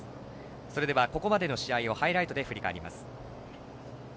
それでは、ここまでの試合をハイライトで振り返ります。